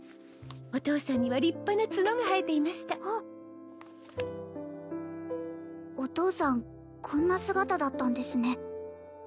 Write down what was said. お父さんには立派な角が生えていましたお父さんこんな姿だったんですね